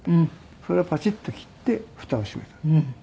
それをパチッと切って蓋を閉めたの。